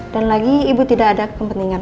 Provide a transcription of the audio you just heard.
dan lagi ibu tidak ada kepentingan